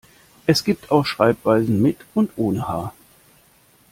Es gibt auch Schreibweisen mit und ohne H.